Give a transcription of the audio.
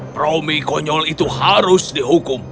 promi konyol itu harus dihukum